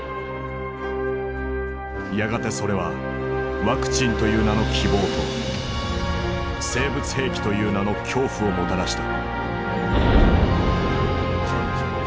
やがてそれはワクチンという名の希望と生物兵器という名の恐怖をもたらした。